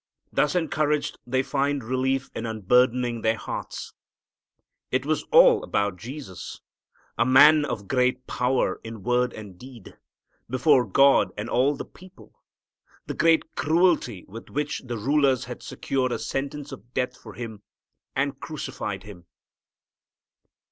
Thus encouraged, they find relief in unburdening their hearts. It was all about Jesus, a man of great power in word and deed, before God and all the people; the great cruelty with which the rulers had secured a sentence of death for Him and crucified Him.